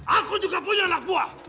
aku juga punya anak buah